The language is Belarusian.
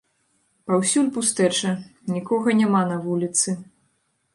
Паўсюль пустэча, нікога няма на вуліцы.